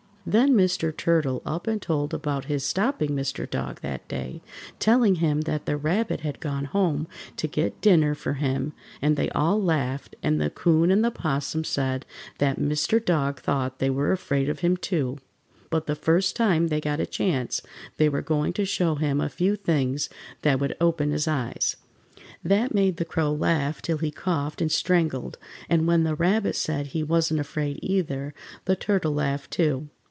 Then Mr. Turtle up and told about his stopping Mr. Dog that day, telling him that the Rabbit had gone home to get dinner for him, and they all laughed, and the 'Coon and the 'Possum said that Mr. Dog thought they were afraid of him, too, but the first time they got a chance they were going to show him a few things that would open his eyes. That made the Crow laugh till he coughed and strangled, and when the Rabbit said he wasn't afraid, either, the Turtle laughed, too.